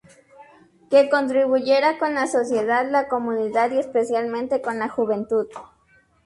Que contribuyera con la sociedad, la comunidad y especialmente con la juventud.